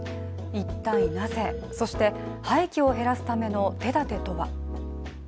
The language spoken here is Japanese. いったいなぜ、そして廃棄を減らすための手立てとは。